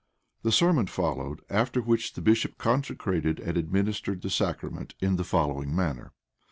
The sermon followed; after which the bishop consecrated and administered the sacrament in the following manner.